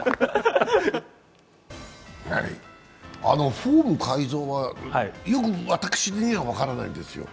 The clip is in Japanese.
フォーム改造はよく私には分からないんですよ。